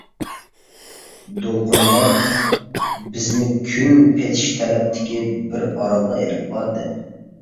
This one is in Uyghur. دولقۇنلار بىزنى كۈن پېتىش تەرەپتىكى بىر ئارالغا ئېلىپ باردى.